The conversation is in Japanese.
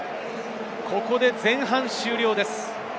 ここで前半終了です。